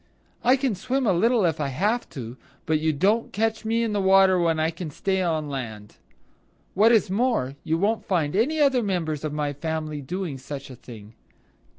I can swim a little if I have to, but you don't catch me in the water when I can stay on land. What is more, you won't find any other members of my family doing such a thing."